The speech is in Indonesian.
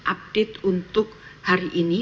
update untuk hari ini